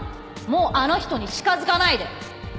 もうあの人に近づかないで！